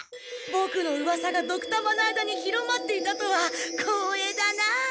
ボクのうわさがドクたまの間に広まっていたとは光栄だな。